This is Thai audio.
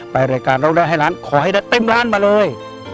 ไปรายการเล่าเล่าให้หลานขอให้ได้เต็มล้านมาเลย